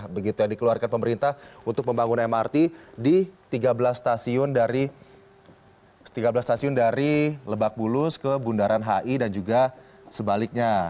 begitu yang dikeluarkan pemerintah untuk pembangunan mrt di tiga belas stasiun dari lebak bulus ke bundaran hi dan juga sebaliknya